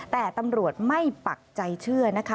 แต่ตำรวจไม่ปักใจเชื่อนะคะ